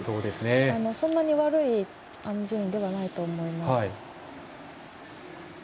そんなに悪い順位ではないと思います。